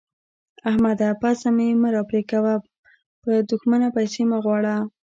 احمده! پزه مې مه راپرې کوه؛ به دوښمنه پيسې مه غواړه.